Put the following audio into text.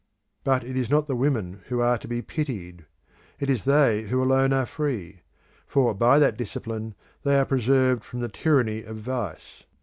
But it is not the women who are to be pitied: it is they who alone are free; for by that discipline they are preserved from the tyranny of vice.